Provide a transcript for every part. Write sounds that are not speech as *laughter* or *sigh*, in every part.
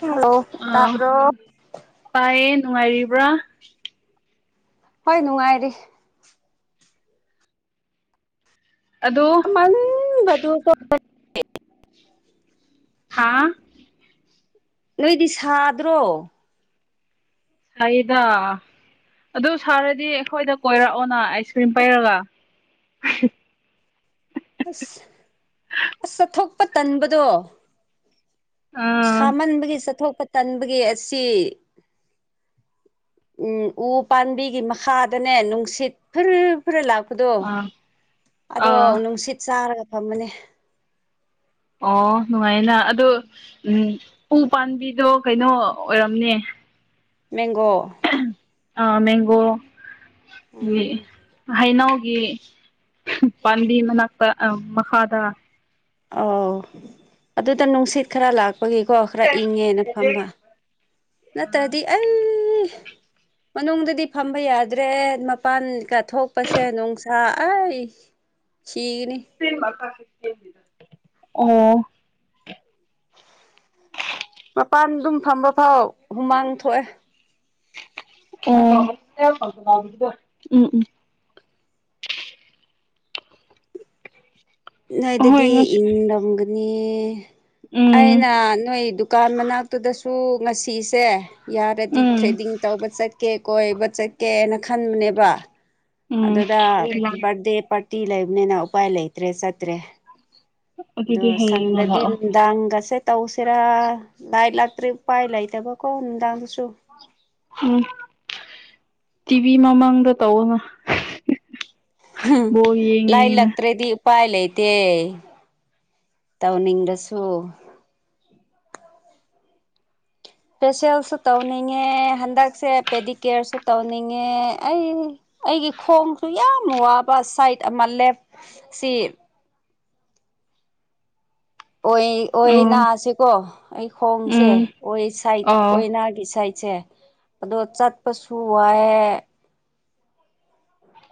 Hello ꯑ ꯇꯥꯕ꯭ꯔꯣ ꯄꯥꯏꯌꯦ ꯅꯨꯡꯉꯥꯏꯔꯤꯕ꯭ꯔꯥ ꯍꯣꯏ ꯅꯨꯡꯉꯥꯏꯔꯤ ꯑꯗꯣ ꯁꯥꯃꯟꯕꯗꯨ ꯍꯥꯥ ꯅꯣꯏꯗꯤ ꯁꯥꯗ꯭ꯔꯣ ꯁꯩꯗꯥ ꯑꯗꯨ ꯁꯥꯔꯗꯤ ꯑꯩꯈꯣꯏꯗ ꯀꯣꯏꯔꯛꯑꯣꯅ ꯑꯥꯏꯁ ꯀ꯭ꯔꯤꯝ ꯄꯩꯔꯒ ꯑ ꯑꯁ ꯑꯁ ꯆꯠꯊꯣꯛꯄ ꯇꯟꯕꯗꯣ ꯑꯥ ꯁꯥꯃꯟꯕꯒꯤ ꯆꯠꯊꯣꯛꯄ ꯇꯟꯕꯒꯤ ꯑꯁꯤ ꯎꯝ ꯎ ꯄꯥꯝꯕꯤꯒꯤ ꯃꯈꯥꯗꯅꯦ ꯅꯨꯡꯁꯤꯠ ꯐꯜ ꯈꯔ ꯂꯥꯛꯄꯗꯣ ꯑꯥ ꯑꯗꯣ ꯑꯥ ꯅꯨꯡꯁꯤꯠ ꯆꯥꯔꯒ ꯐꯝꯗꯅꯦ ꯑꯣ ꯅꯨꯡꯉꯥꯏꯅ ꯑꯗꯣ ꯎꯝ ꯎ ꯄꯥꯝꯕꯤꯗꯣ ꯀꯩꯅꯣ ꯑꯣꯏꯔꯝꯅꯦ ꯃꯦꯡꯒꯣ ꯑ ꯃꯦꯡꯒꯣ ꯎꯝ ꯍꯩꯅꯥꯎ ꯑꯩ ꯒꯤ ꯄꯥꯝꯕꯤ ꯃꯅꯥꯛꯇ ꯃꯈꯥꯗ ꯑꯣ ꯑꯗꯨꯗ ꯅꯨꯡꯁꯤꯠ ꯈꯔ ꯂꯥꯛ ꯑꯩꯏꯒꯤꯀꯣ ꯈꯔ ꯏꯪꯉꯦꯅ ꯐꯝꯕ ꯅꯠꯇ꯭ꯔꯗꯤ ꯑꯩ *inaudible* ꯃꯅꯨꯡꯗꯗꯤ ꯐꯝꯕ ꯌꯥꯗ꯭ꯔꯦ ꯃꯄꯥꯟꯒ ꯊꯣꯛꯄꯁꯦ ꯅꯨꯡꯁꯥ ꯑꯩ *inaudible* ꯁꯤꯒꯅꯤ ꯊꯤꯟꯕ ꯐꯦ ꯑꯣ ꯃꯄꯥꯟ ꯑꯗꯨꯝ ꯐꯝꯕ ꯐꯥꯎ ꯍꯨꯃꯥꯡ ꯊꯣꯛꯑꯦ ꯑ ꯎꯝ ꯎꯝ ꯍꯣꯏ ꯅꯣꯏꯗꯗꯤ ꯉꯁꯤ ꯏꯪ ꯅꯝꯒꯅꯤ ꯎꯝ ꯑꯩꯅ ꯅꯣꯏ ꯗꯨꯀꯥꯟ ꯃꯅꯥꯛꯇꯨꯗꯁꯨ ꯉꯁꯤꯁꯦ ꯌꯥꯔꯗꯤ ꯎꯝ ꯊ꯭ꯔꯦꯗꯤꯡ ꯇꯧꯕ ꯆꯠꯀꯦ ꯀꯣꯏꯕ ꯆꯠꯀꯦꯅ ꯈꯟꯕꯅꯦꯕ ꯎꯝ ꯑꯗꯨꯗ ꯕꯥꯔꯗꯦ ꯄꯥꯔꯇꯤ ꯂꯩꯕꯅꯤꯅ ꯎꯄꯥꯏ ꯂꯩꯇ꯭ꯔꯦ ꯆꯠꯇ꯭ꯔꯦ ꯑꯗꯣ ꯑꯗꯨꯗꯤ ꯍꯌꯦꯡꯅ ꯂꯥꯛꯑꯣ ꯁꯪꯗꯗꯤꯗꯥꯒꯁꯦ ꯇꯧꯁꯤꯔꯥ ꯂꯥꯏꯔꯤꯛ ꯂꯥꯛꯇ꯭ꯔꯤ ꯎꯄꯥꯏ ꯂꯩꯇꯕꯀꯣ ꯅꯨꯡꯗꯥꯡꯗ ꯎꯝ ꯇꯤꯚꯤ ꯃꯃꯥꯡꯗ ꯇꯧꯅ ꯎꯝ ꯂꯥꯏ ꯏꯜ ꯂꯥꯛꯇ꯭ꯔꯦꯗꯤ ꯎꯄꯥꯏ ꯂꯩꯇꯦ ꯇꯧꯅꯤꯡꯗꯁꯨ ꯏꯁꯦꯁꯦꯜꯁꯨ ꯇꯧꯅꯤꯡꯉꯦ ꯍꯟꯗꯛꯁꯦ ꯄꯦꯗꯤ ꯀꯦꯌꯔꯁꯨ ꯇꯧꯅꯤꯡꯉꯦ ꯑꯩ ꯑꯩꯒꯤ ꯈꯣꯡꯁꯨ ꯌꯥꯝ ꯋꯥꯕ ꯁꯥꯏꯠ ꯑꯃ ꯂꯦꯞ ꯁꯤ ꯑꯣꯏ ꯑꯣꯏ ꯑꯣ ꯅꯥꯁꯤꯀꯣ ꯑꯩ ꯈꯣꯡꯁꯦ ꯎꯝ ꯑꯣꯏ ꯁꯥꯏꯠ ꯑꯥ ꯑꯣꯏꯅꯥꯒꯤ ꯁꯥꯏꯠꯁꯦ ꯑꯗꯣ ꯆꯠꯄꯁꯨ ꯋꯥꯏꯑꯦ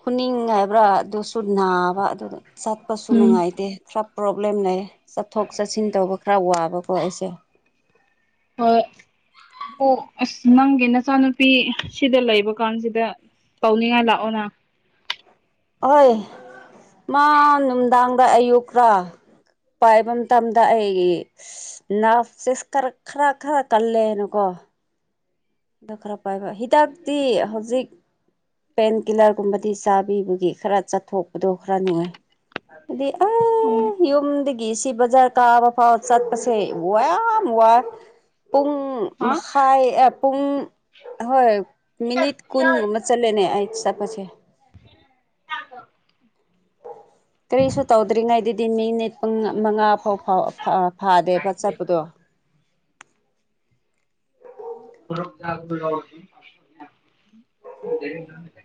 ꯈꯨꯅꯤꯡ ꯍꯥꯏꯕ꯭ꯔꯥ ꯑꯗꯨꯁꯨ ꯅꯥꯕ ꯑꯗꯨꯗ ꯆꯠꯄꯁꯨ ꯎꯝ ꯅꯨꯡꯉꯥꯏꯇꯦ ꯈꯔ ꯄ꯭ꯔꯣꯕ꯭ꯂꯦꯝ ꯂꯩ ꯆꯠꯊꯣꯛ ꯆꯠꯁꯤꯟ ꯇꯧꯕ ꯈꯔ ꯋꯥꯕꯀꯣ ꯑꯩꯁꯦ ꯍꯣꯏ ꯑꯗꯣ ꯑꯁ ꯅꯪꯒꯤ ꯅꯆꯥꯅꯨꯄꯤ ꯁꯤꯗ ꯂꯩꯕ ꯀꯥꯟꯁꯤꯗ ꯄꯥꯎꯅꯤꯡꯉ ꯂꯥꯛꯑꯣꯅ ꯍꯣꯏ ꯃꯥ ꯅꯨꯡꯗꯥꯡꯗ ꯑꯌꯨꯛꯀꯥ ꯄꯥꯏꯕ ꯃꯇꯝꯗ ꯑꯩꯒꯤ ꯅꯥꯁꯦ ꯈꯔ ꯈꯔ ꯀꯜꯂꯦꯅꯀꯣ ꯋꯥ ꯑꯗ ꯈꯔ ꯄꯥꯏꯕ ꯍꯤꯗꯥꯛꯇꯤ ꯍꯧꯖꯤꯛ ꯄꯦꯟꯀꯤꯤꯂꯔꯒꯨꯝꯕꯗꯤ ꯆꯥꯕꯤꯕꯒꯤ ꯈꯔ ꯆꯠꯊꯣꯛꯄꯗꯣ ꯈꯔ ꯅꯨꯡꯉꯥꯏ ꯑꯗꯤ ꯑ ꯎꯝ ꯌꯨꯝꯗꯒꯤ ꯁꯤ ꯕꯖꯥꯔ ꯀꯥꯕ ꯐꯥꯎ ꯆꯠꯄꯁꯦ ꯋꯥ ꯌꯥꯝ ꯋꯥꯏ ꯄꯨꯡ ꯍꯥ ꯃꯈꯥꯏ ꯑꯦꯞ ꯄꯨꯡ ꯍꯣꯏ ꯃꯤꯅꯤꯠ ꯀꯨꯟꯒꯨꯝꯕ ꯆꯠꯂꯦꯅꯦ ꯑꯩ ꯆꯠꯄꯁꯦ *inaudible* ꯀꯔꯤꯁꯨ ꯇꯧꯗ꯭ꯔꯤꯉꯩꯗꯗꯤ ꯃꯤꯅꯤꯠ ꯄꯨꯡ ꯃꯉꯥ ꯐꯥꯎ ꯐꯥꯗꯦꯕ ꯆꯠꯄꯗꯣ *inaudible*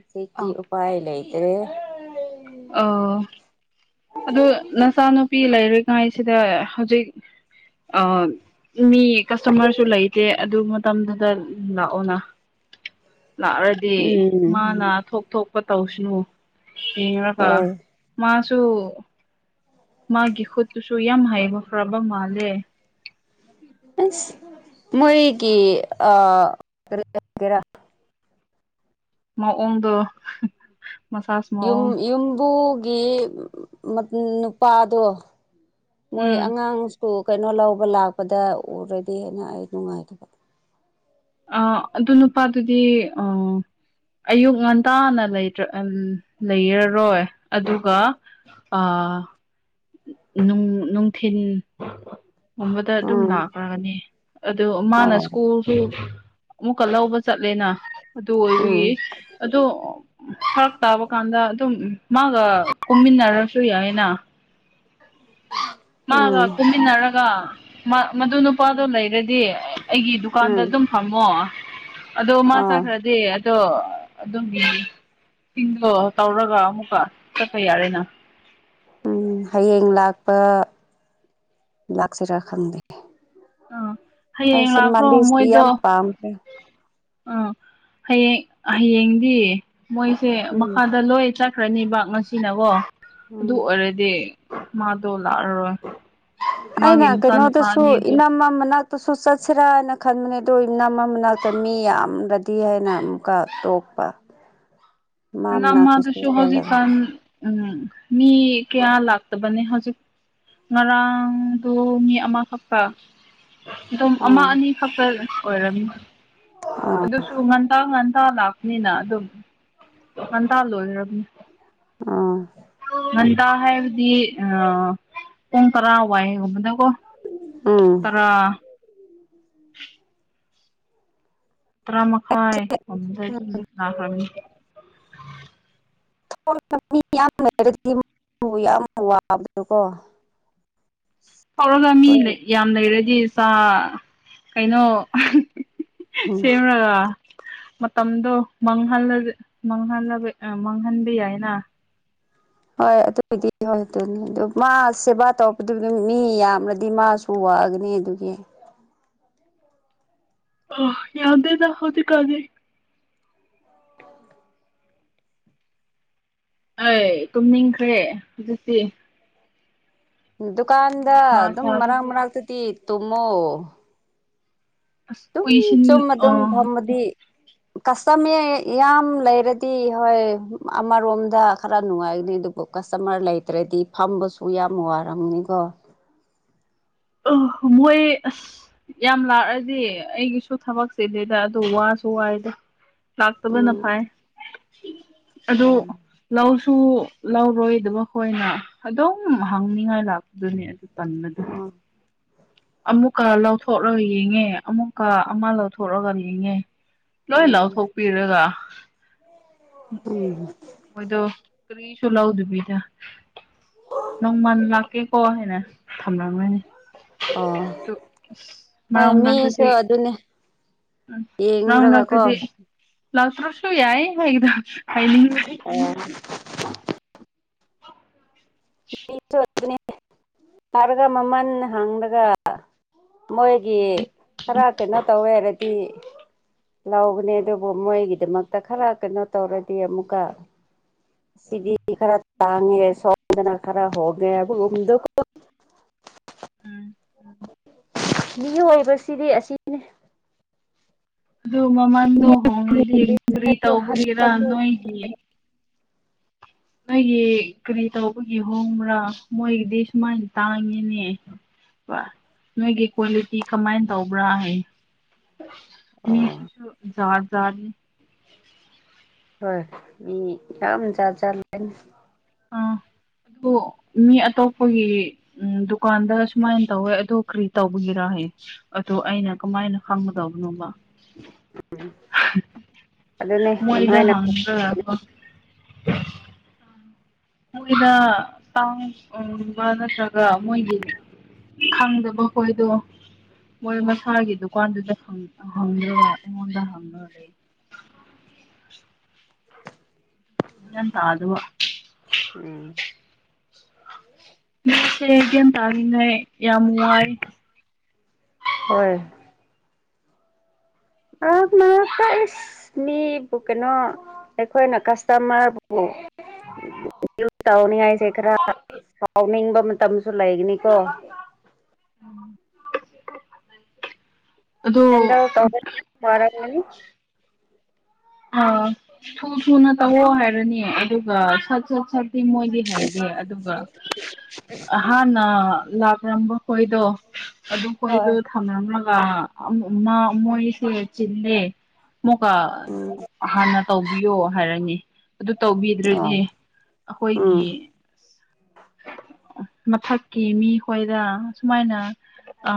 ꯁꯦꯇꯤ ꯑꯥ ꯎꯄꯥꯏ ꯂꯩꯇ꯭ꯔꯦ ꯑ ꯅꯆꯥꯅꯨꯄꯤ ꯂꯩꯔꯤꯉꯥꯏꯁꯤꯗ ꯍꯧꯖꯤꯛ ꯑ ꯃꯤ ꯀꯁꯇꯃꯔꯁꯨ ꯂꯩꯇꯦ ꯑꯗꯨ ꯃꯇꯝꯗꯨꯗ ꯂꯥꯛꯑꯣꯅ ꯂꯥꯛꯑꯗꯤ ꯎꯝ ꯃꯥꯅ ꯊꯣꯛ ꯊꯣꯛꯄ ꯇꯧꯁꯅꯨ ꯇꯀꯥ ꯍꯣꯏ ꯃꯥꯁꯨꯁꯨ ꯃꯥꯒꯤ ꯈꯨꯠꯇꯨꯁꯨ ꯌꯥꯝ ꯍꯩꯕ ꯐ꯭ꯔꯕ ꯃꯥꯜꯂꯦ ꯃꯣꯔꯤ ꯀ ꯑꯔ ꯃꯑꯣꯡꯗꯣ ꯃꯁꯥꯁ ꯃꯑꯣꯡ ꯌꯨꯝꯕꯨꯒꯤ ꯅꯨꯄꯥꯗꯣ ꯃꯣꯏ ꯎꯝ ꯑꯉꯥꯡ ꯀꯩꯅꯣ ꯂꯧꯕ ꯂꯥꯛꯄꯗ ꯎꯔꯗꯤꯅ ꯑꯩ ꯅꯨꯡꯉꯥꯏꯇꯕ ꯑ ꯑꯗꯨ ꯅꯨꯄꯥꯗꯨꯗꯤ ꯑ ꯑꯌꯨꯛ ꯉꯟꯇꯥꯅꯇ꯭ꯔ ꯎ ꯂꯩꯔꯔꯣꯏ ꯑꯗꯨꯒ ꯑ ꯅꯨꯡ ꯅꯨꯡꯊꯤꯟ ꯨꯃꯝꯕꯗ ꯑꯗꯨꯝ ꯎꯝ ꯂꯥꯛꯈ꯭ꯔꯒꯅꯤ ꯑꯗꯨ ꯃꯥꯅ ꯍꯣꯏ ꯁ꯭ꯀꯨꯜꯁꯨ ꯑꯃꯨꯛꯀ ꯂꯧꯕ ꯆꯠꯂꯦꯅ ꯑꯗꯨ ꯎꯝ ꯑꯣꯏꯕꯒꯤ ꯑꯗꯣ ꯐꯔꯛ ꯇꯥꯕ ꯀꯥꯟꯗ ꯑꯗꯨꯝ ꯃꯥꯒ ꯀꯨꯝꯃꯤꯅꯔꯁꯨ ꯌꯥ ꯍꯥꯏꯅ ꯃꯥꯒ ꯎꯝ ꯀꯨꯝꯃꯤꯟꯅꯔꯒ ꯃꯗꯨ ꯅꯨꯄꯥꯗꯣ ꯂꯩꯔꯗꯤ ꯑꯩꯒꯤ ꯗꯨꯀꯥꯟꯗ ꯎꯝ ꯑꯗꯨꯝ ꯐꯃꯣ ꯑꯗꯣ ꯃꯥ ꯑꯥ ꯆꯈ꯭ꯔꯗꯤ ꯑꯗꯣ ꯑꯗꯨꯝ ꯌꯦꯡ ꯁꯤꯡꯗꯣ ꯇꯧꯔꯒ ꯑꯃꯨꯛꯀ ꯆꯠꯄ ꯌꯥꯔꯦꯅ ꯎꯝ ꯍꯌꯦꯡ ꯂꯥꯛꯄ ꯂꯥꯛꯁꯤꯔꯥ ꯈꯪꯗꯦ ꯑꯥ ꯍꯌꯦꯡ ꯑꯩꯁꯦ ꯂꯥꯛꯈ꯭ꯔꯣ ꯃꯗꯤꯁꯇ ꯌꯥꯝ ꯄꯥꯝꯒ ꯑ ꯍꯌꯦꯡ ꯍꯌꯦꯡꯗꯤ ꯃꯣꯏꯁꯦ ꯎꯝ ꯃꯈꯥꯗ ꯂꯣꯏ ꯆꯠꯈ꯭ꯔꯅꯤ ꯕꯥꯛ ꯉꯁꯤꯅꯀꯣ ꯑꯗꯨ ꯎꯝ ꯑꯣꯏꯔꯗꯤ ꯃꯥꯗ ꯂꯥꯣꯏ ꯑꯅ ꯀꯩꯅꯣꯗꯁꯨ ꯏꯅꯃ ꯃꯅꯥ ꯇꯁꯨ ꯆꯠꯁꯤꯔꯥꯅ ꯈꯟꯕꯅꯦ ꯑꯗꯨꯗꯣ ꯏꯅꯝꯃ ꯃꯅꯥꯛꯇ ꯃꯤ ꯌꯥꯝꯅꯗꯤ ꯍꯥꯏꯅ ꯑꯃꯨꯛꯀ ꯇꯣꯛ ꯄ ꯅꯃꯗꯁꯨ ꯍꯧꯖꯤ ꯆꯠꯂꯒ ꯀꯝ ꯎꯝ ꯃꯤ ꯀꯌꯥ ꯂꯥꯛꯇꯕꯅꯦ ꯍꯧꯖꯤꯛ ꯉꯔꯥꯡꯗꯨ ꯃꯤ ꯑꯃꯈꯛꯇ ꯑꯗꯨꯝ ꯑꯃ ꯑꯥ ꯑꯅꯤ ꯈꯛꯇ ꯑꯣꯏꯔꯝꯃꯤ ꯑꯗꯨꯁꯨ ꯉꯟꯇꯥ ꯉꯟ ꯉꯟꯇꯥ ꯂꯥꯛꯄꯅꯤꯅ ꯑꯗꯨꯝ ꯉꯟꯇꯥ ꯂꯣꯏꯈ꯭ꯔꯕꯅꯤ ꯑꯥ ꯉꯟꯇꯥ ꯍꯥꯏꯕꯗꯤ ꯄꯨꯡ ꯇꯔꯥꯋꯥꯏꯒꯨꯝꯕꯗ ꯣ ꯎꯝ ꯇꯔ ꯑꯠꯇꯥ ꯃꯈꯈꯑꯗ ꯂ ꯃꯤ ꯌꯥꯝ ꯂꯩꯔꯗꯤꯕꯨ ꯌꯥꯝ ꯋꯥꯕꯗꯀꯣ ꯍꯧꯔꯒ ꯃꯤ ꯌꯥꯝ ꯂꯩꯔꯗꯤ ꯆꯥ ꯀꯩꯅꯣ ꯎꯝ ꯁꯦꯝꯦꯃ ꯔꯒ ꯃꯇꯝꯗꯣ ꯃꯥꯡꯍꯜꯂ ꯃꯥꯡꯍꯜꯂ ꯃꯥꯡꯍꯟꯕ ꯌꯥꯏꯅ ꯍꯣꯏ ꯑꯗꯨꯏꯗꯤ ꯍꯣꯏ ꯑꯗꯨꯅꯤ ꯑꯗꯨ ꯃꯥ ꯁꯦꯕꯥ ꯇꯧꯔꯛꯄꯗꯨ ꯃꯤ ꯌꯥꯝꯔ꯭ꯗꯤ ꯃꯥꯁꯨ ꯄꯒꯅꯤ ꯑꯗꯨꯒꯤ ꯑ ꯌꯥꯗꯦꯗ ꯍꯧꯖꯤꯛ ꯀꯥꯟꯗꯤ ꯑꯩ ꯇꯨꯝꯅꯤꯡꯈ꯭ꯔꯦ ꯍꯧꯖꯤꯛꯇꯤ ꯗꯨꯀꯥꯟꯗ ꯅꯨꯡꯁꯥ ꯑꯗꯨꯝ ꯃꯔꯛ ꯁꯥꯕꯒꯤ ꯃꯔꯛꯇꯗꯤ ꯇꯨꯝꯃꯣ ꯑꯁ ꯑꯗꯨꯝ ꯎꯏꯁꯤꯟ ꯆꯨꯝꯃ ꯑ ꯑꯗꯨꯝ ꯊꯝꯃꯗꯤ ꯀꯁꯇꯝꯃꯦ ꯌꯥꯝ ꯂꯩꯔꯗꯤ ꯍꯣꯏ ꯑꯃꯔꯣꯝꯗ ꯈꯔ ꯅꯨꯡꯉꯥꯏꯒꯅꯤ ꯀꯁꯇꯃꯔ ꯂꯩꯇ꯭ꯔꯗꯤ ꯐꯝꯕꯁꯨ ꯌꯥꯝ ꯋꯥꯔꯝꯅꯤꯀꯣ ꯑ ꯃꯣꯏ ꯑ ꯌꯥꯝ ꯂꯥꯛꯑꯗꯤ ꯑꯩꯒꯤꯁꯨ ꯊꯕꯛ ꯆꯤꯜꯂꯦꯗꯥ ꯑꯗꯨ ꯋꯥꯁꯨ ꯋꯥꯏꯗ ꯂꯥꯛꯇꯕꯅ ꯎꯝ ꯐꯥꯏ ꯑꯗꯨ ꯎꯝ ꯂꯧ ꯁꯨ ꯂꯧꯔꯣꯏꯗꯕ ꯈꯣꯏꯅ ꯑꯗꯨꯝ ꯍꯪꯅꯤꯡꯉꯥꯏ ꯂꯥꯛꯄꯗꯨꯅꯦ ꯇꯗ ꯑꯣ ꯑꯃꯨꯛꯀ ꯂꯧꯊꯣꯛꯂꯒ ꯌꯦꯡꯉꯦ ꯑꯃꯨꯛꯀ ꯑꯃ ꯂꯧꯊꯣꯛꯂꯒ ꯌꯦꯡꯉꯦ ꯂꯣꯏ ꯎꯝ ꯂꯥꯎꯊꯣꯛꯄꯤꯔꯒ ꯎꯝ ꯃꯣꯏꯗ ꯀꯔꯤꯁꯨꯨ ꯂꯥꯎꯗ ꯄꯤꯖꯥ ꯅꯪ ꯃꯟ ꯂꯥꯛꯀꯦ ꯀꯣꯦꯅꯦ ꯊꯝꯂꯝꯅꯤ ꯑꯣ ꯑ ꯑ ꯍꯣꯏ ꯃꯤꯁꯨ ꯃꯥꯡꯗꯥꯪꯗꯗꯤ ꯑꯗꯨꯅꯦ ꯎ ꯌꯦꯡꯔꯒꯀꯣ ꯂꯇꯗꯤꯦ ꯂꯥꯎ ꯇ꯭ꯔꯣꯁꯨꯨ ꯌꯥꯏ ꯍꯥꯏꯥꯏ ꯎꯝ ꯈꯔꯒ ꯃꯃꯟ ꯍꯪꯂꯥꯒ ꯃꯣꯏꯒꯤ ꯈꯔ ꯀꯩꯅꯣ ꯇꯧꯋꯦꯔꯗꯤ ꯂꯥꯎꯒꯅꯦ ꯑꯗꯨꯕꯨ ꯃꯣꯏꯒꯤꯗꯃꯛꯇ ꯈꯔ ꯀꯩꯅꯣ ꯇꯧꯔꯗꯤ ꯑꯃꯨꯛꯀ ꯁꯤꯗꯤ ꯈꯔꯥ ꯇꯥꯡꯉꯦ꯫ ꯁꯣꯔꯠ꯭ ꯀꯗꯅ ꯈꯔ ꯍꯧꯒꯕꯕꯨ ꯍꯗꯣ ꯎꯝ ꯃꯤ ꯑꯣꯏꯕꯁꯤꯗꯤ ꯑꯁꯤꯅꯤ ꯑꯗꯨ ꯃꯃꯟꯗꯣ ꯍꯣꯡꯉꯗꯤ ꯀꯔꯤ ꯇꯧꯕꯒꯤꯔ ꯅꯣꯏꯒꯤ ꯅꯣꯏꯒꯤ ꯀꯔꯤ ꯇꯧꯕꯒꯤ ꯍꯣꯡꯕ꯭ꯔꯥ ꯃꯣꯏꯒꯤꯗꯤ ꯁꯨꯃꯥꯏꯅ ꯇꯥꯡꯉꯤꯅꯦ ꯅꯣꯏꯒꯤ ꯀ꯭ꯋꯥꯂꯤꯇꯤ ꯀꯃꯥꯏꯅ ꯇꯧꯕ꯭ꯔꯥ ꯍꯥꯏꯌꯦ ꯑꯣ ꯃꯤꯁꯤꯁꯨ ꯖꯥꯠ ꯍꯥꯠꯅꯦ ꯍꯣꯏ ꯃꯤ ꯌꯥꯝ ꯆꯥꯠ ꯆꯥꯠ ꯂꯩ ꯑꯥ ꯑꯗꯨ ꯃꯤ ꯑꯇꯣꯞꯄꯒꯤ ꯎ ꯗꯨꯀꯥꯟꯗ ꯁꯨꯃꯥꯏꯅ ꯇꯧꯋꯦ ꯑꯗꯨ ꯀꯔꯤ ꯇꯧꯕꯒꯤꯔꯥ ꯑꯗꯨ ꯑꯩꯅ ꯀꯃꯥꯏꯅ ꯈꯪꯒꯗꯧꯕꯅꯣꯕ ꯑꯗꯨꯅꯦ ꯃꯣꯏꯗ ꯑꯗꯨꯝꯍꯥꯏꯅ ꯍꯪꯒꯗꯕꯀꯣ ꯃꯣꯏꯅ ꯇꯥꯡꯕ ꯅꯠꯇ꯭ꯔꯒ ꯃꯣꯏꯒꯤ ꯈꯪꯗꯕ ꯍꯣꯏꯗꯣ ꯃꯣꯏ ꯃꯁꯥꯒꯤ ꯗꯨꯀꯥꯟꯗꯨꯗ ꯍꯪꯗ꯭ꯔꯒ ꯑꯩꯉꯣꯟꯗ ꯍꯪꯉ ꯂꯩ *inaudible* ꯒꯌ꯭ꯥꯟ ꯇꯥꯗꯅꯥ ꯎꯝ ꯗꯤ ꯌꯥꯝ ꯇꯥꯔꯅ ꯌꯥꯝ ꯋꯥꯏ ꯍꯣꯏ ꯑ ꯃꯥ ꯇ ꯏꯁ ꯃꯤ ꯀꯩꯅꯣ ꯑꯩꯈꯣꯏꯅ ꯀꯥꯁꯇꯃꯔ ꯕꯨ ꯇꯅꯤ ꯈꯔꯥ ꯐꯥꯎ ꯃꯇꯝꯁꯨ ꯂꯥꯏꯒꯅꯤꯀꯣ ꯑꯗꯣ ꯑꯦ ꯇꯕ ꯋꯥꯔꯅꯤ ꯑ ꯊꯨ ꯊꯨꯅ ꯇꯧꯋꯣ ꯍꯥꯏꯔꯅꯤ ꯑꯗꯨꯒ ꯁꯠ ꯁꯠ ꯁꯠ ꯁꯤ ꯃꯣꯏꯗꯤ ꯍꯥꯏꯗꯦ ꯑꯗꯨꯒ ꯍꯥꯟꯅ ꯂꯥꯛꯂꯝꯝꯕ ꯍꯣꯏꯗꯣ ꯑꯗꯨ ꯍꯣꯏ ꯍꯣꯏꯗꯣ ꯊꯝꯅꯔꯝꯂ ꯃꯥ ꯑꯃꯣꯌꯁꯤ ꯆꯂꯦ ꯃꯈ ꯎꯝ ꯍꯥꯟꯅ ꯇꯧꯕꯤꯌꯣ ꯍꯥꯏꯔꯅꯤ ꯑꯗꯨ ꯇꯧꯕꯤꯗ꯭ꯔꯗꯤ ꯑꯣ ꯑꯩꯈꯣꯏꯒꯤ ꯎꯝ ꯃꯊꯛꯀꯤ ꯃꯤꯈꯣꯏꯗ ꯁꯨꯃꯥꯏꯅ ꯑ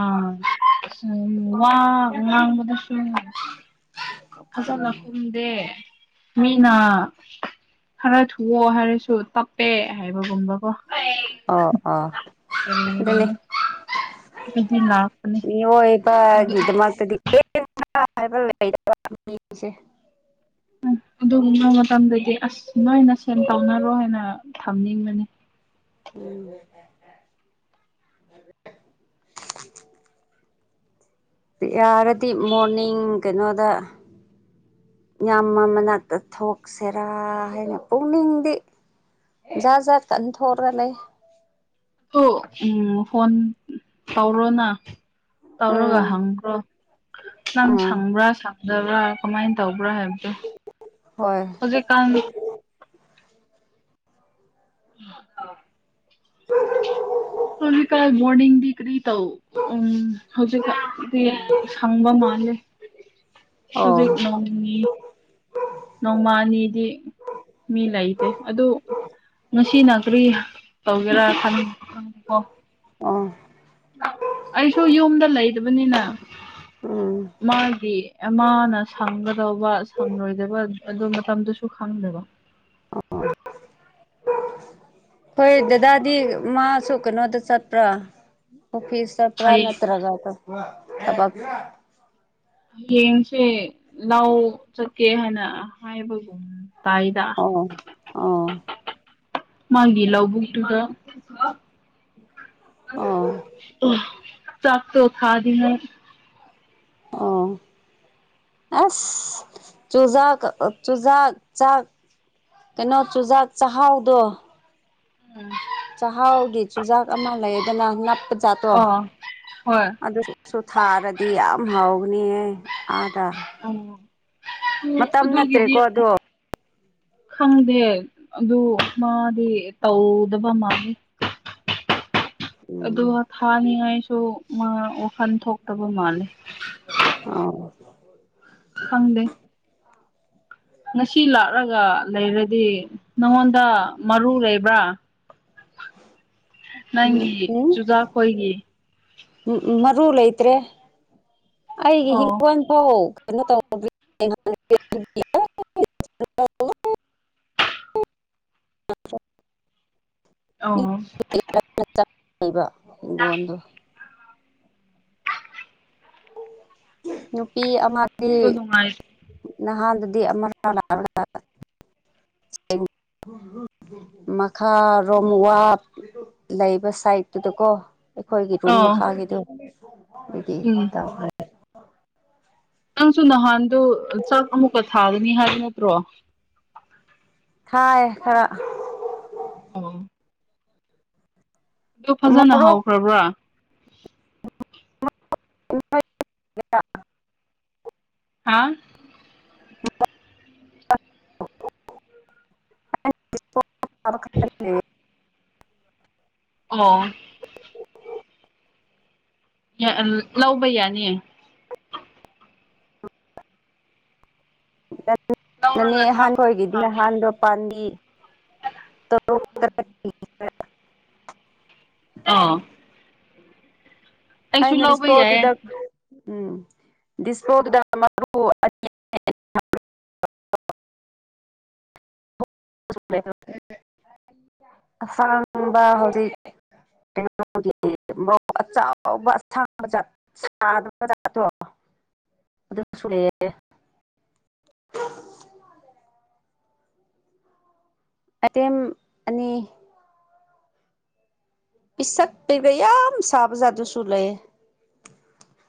ꯋꯥ ꯋꯥꯝꯕꯗ ꯎꯝ ꯃꯤꯅꯥ ꯈꯔ ꯊꯣꯛꯨꯑꯣ ꯍꯥꯏꯔꯁꯨ ꯇꯞꯄꯦ ꯍꯥꯏꯕꯒꯨꯝꯕ ꯑꯣ ꯀꯔꯤ ꯑꯅꯤ ꯀꯔꯤꯅꯣ ꯑꯗꯨꯗꯤ ꯂꯥꯛꯄꯅꯦ ꯉ ꯏꯕ ꯑꯗꯨ ꯤꯗ ꯃꯥꯥꯛꯇꯗꯤ ꯍꯥꯏꯕꯁꯦ ꯑꯗꯨ ꯒꯨꯝꯕ ꯃꯇꯝꯗꯗꯤ ꯑꯁ ꯅꯣꯏꯃꯥꯁꯦꯟ ꯇꯧꯅꯔꯣ ꯍꯥꯏꯅ ꯊꯝꯅꯤꯡꯕꯅꯤ ꯎꯝ ꯌꯥꯔꯗꯤ ꯃꯣꯔꯅꯤꯡ ꯀꯩꯅꯣꯗ ꯌꯥꯝꯃ ꯃꯅꯥꯛꯇ ꯊꯣꯛꯁꯦꯔꯥ ꯍꯥꯏꯅ ꯄꯨꯛꯅꯤꯡꯗꯤ ꯖꯠ ꯖꯥꯠ ꯇꯥ ꯑꯗꯨꯝ ꯊꯣꯛ ꯂꯩ ꯍ ꯎꯝ ꯐꯣꯟ ꯇꯧꯔꯣꯅ ꯇꯧꯔꯒ ꯎꯝ ꯍꯪꯈꯔꯣ ꯅꯪ ꯎꯝ ꯁꯪꯕ꯭ꯔꯥ ꯁꯪꯗꯕ꯭ꯔꯥ ꯀꯃꯥꯏꯅ ꯇꯧ ꯕ꯭ꯔꯍꯦꯕꯗ ꯍꯣꯏ ꯍꯧꯖꯤꯛ ꯀꯥꯟ ꯑ ꯍ ꯍꯧꯖꯤ ꯀ ꯃꯣꯔꯅꯤꯡꯔꯤ ꯇꯥꯎ ꯎ ꯍꯧꯖꯤꯛ ꯗꯤ ꯁꯪꯕ ꯃꯥꯜꯂꯦ ꯑꯣ ꯑꯗꯨꯅꯤ ꯅꯣꯡꯃꯅꯤꯗꯤ ꯃꯤ ꯂꯩꯇꯦ ꯑꯗꯨ ꯉꯁꯤꯅ ꯀꯔꯤ ꯇꯧꯒꯦꯔꯥꯣ ꯑꯣ ꯑꯩꯁꯨ ꯌꯨꯝꯗ ꯂꯩꯗꯕꯅꯤꯅ ꯎꯝ ꯃꯥꯒꯤ ꯑꯃꯅ ꯁꯪꯒꯗꯧꯕ ꯁꯪꯂꯣꯏꯗꯕ ꯑꯗꯨ ꯃꯇꯝꯗꯨꯁꯨ ꯈꯪꯗꯦꯕ *inaudible* ꯍꯣꯏ ꯗꯗꯥꯗꯤ ꯃꯥꯁꯨ ꯀꯩꯅꯣꯗ ꯆꯠꯄ꯭ꯔꯥ ꯑꯣꯐꯤꯁ ꯄꯨ꯭ꯔꯥ ꯍꯌꯦꯡ ꯅꯠꯇ꯭ꯔꯒ ꯍꯌꯦꯡꯁꯦ ꯂꯥꯎ ꯆꯠꯀꯦ ꯍꯥꯏꯅ ꯍꯥꯏꯕꯒꯨꯝ ꯇꯥꯏꯗ ꯑꯣ ꯑꯣ ꯃꯥꯒꯤ ꯂꯥꯎꯧꯕꯨꯛꯇꯨꯗ ꯑꯣ ꯑꯣ ꯆꯥꯛꯇ ꯊꯥꯗꯦ ꯑꯣ *inaudible* ꯑꯁ ꯆꯨꯖꯥꯛ ꯆꯨꯖꯥꯛ ꯆꯥꯛ ꯀꯩꯅꯣ ꯆꯨꯖꯥꯛ ꯆꯍꯥꯎꯗꯣ ꯎꯝ ꯆꯥꯛꯍꯥꯎꯒꯤ ꯆꯨꯖꯥꯛ ꯑꯃ ꯂꯩꯗꯅ ꯅꯞꯄꯗ ꯆꯥꯠꯇꯣ ꯑꯥ ꯍꯣꯏ ꯑꯗꯨꯁꯨ ꯊꯥꯔꯗꯤ ꯌꯥꯝ ꯍꯥꯎꯅꯤꯍ ꯑꯥꯗ ꯑꯣ ꯑꯗꯨ ꯃꯇꯝ ꯑꯗꯨꯒꯤꯗꯤ ꯅꯠꯇ꯭ꯔꯦꯀꯣ ꯑꯗꯣ ꯈꯪꯗꯦ ꯑꯗꯨ ꯃꯥꯗꯤ ꯇꯧꯗꯕ ꯃꯥꯜꯂꯤꯦ *inaudible* ꯎꯝ ꯑꯗꯨꯒ ꯊꯥꯅꯤꯉꯥꯏꯁꯨ ꯃꯥ ꯋꯥꯈꯜ ꯊꯣꯛꯇꯕ ꯃꯥꯜꯂꯦ ꯑꯥꯎ ꯈꯪꯗꯦ ꯉꯁꯤ ꯂꯥꯛꯂꯒ ꯂꯩꯔꯗꯤ ꯅꯉꯣꯟꯗ ꯃꯔꯨ ꯂꯩꯕ꯭ꯔꯥ ꯅꯪꯒꯤ ꯆꯨꯖꯥꯛꯈꯣꯏꯒꯤ ꯎ ꯃꯔꯨ ꯂꯩꯇ꯭ꯔꯦ ꯑꯩꯒꯤ ꯑꯣ ꯍꯤꯡꯈꯣꯣꯟ ꯐꯥꯎ *inaudible* *inaudible* ꯑ ꯩꯕ ꯏꯒꯣ ꯑꯣꯗꯨ ꯅꯨꯄꯤ ꯑꯃꯗꯤ ꯑꯗꯨ ꯅꯨꯡꯉꯥꯏ ꯅꯍꯥꯟꯗ ꯗꯤ ꯑꯃꯔꯀ ꯂ ꯈꯥꯔꯣꯝ ꯎꯝ ꯋꯥꯞ ꯂꯩ ꯁꯥꯏꯗꯠꯇꯨꯗꯀꯣ ꯑꯩꯈꯣꯏꯒꯤ ꯔꯨꯝ ꯑꯣ ꯃꯈꯥꯒꯤꯗꯣ ꯑꯗꯨꯗꯤ ꯎꯝ ꯇꯈ *inaudible* ꯅꯪꯁꯨ ꯅꯍꯥꯟꯗꯨꯣ ꯆꯥꯛ ꯑꯃꯨꯛꯀ ꯊꯥꯒꯅꯤ ꯍꯥꯏꯕ ꯅꯠꯇ꯭ꯔꯣ ꯊꯥꯏ ꯈꯔ ꯑꯣ ꯑꯗꯨ ꯐꯖꯅ ꯃꯣꯔꯣꯛ ꯍꯧꯈ꯭ꯔꯕ꯭ꯔꯥ *inaudible* ꯍꯥꯥ ꯑ ꯕ ꯈ ꯑꯣ ꯂꯧꯕ ꯌꯥꯅꯤꯌꯦ ꯅꯅꯦ ꯂꯧꯔꯒ ꯊꯥꯕ ꯑꯍꯥꯟꯕꯣꯏꯒꯤꯗꯤ ꯊꯥꯕ ꯑꯍꯥꯟꯕꯗꯣ ꯄꯥꯥꯟꯝꯕꯤ ꯇ ꯑꯣ ꯑꯩꯁꯨ ꯑꯅꯔꯤ ꯂꯧꯕ ꯌꯥꯏꯌꯦ ꯏꯁꯄꯣꯔꯠꯇꯗ ꯎꯝ ꯗꯤꯁꯄꯣꯗ ꯃꯔꯨ ꯑꯁꯥꯡꯕ ꯍꯧꯖꯤꯛ ꯀ ꯑꯆꯕꯕ ꯁꯥꯕꯥꯠꯇ꯭ꯔ *inaudible* ꯑ ꯑꯦꯝ ꯑꯅꯤ ꯄꯁꯥ ꯄꯒ ꯌꯥꯝ ꯁꯕꯖꯗꯨꯁꯨ ꯂꯩꯦ